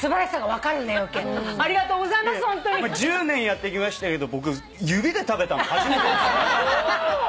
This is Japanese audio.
１０年やってきましたけど僕指で食べたの初めてですね。